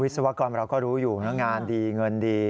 ศวกรเราก็รู้อยู่นะงานดีเงินดี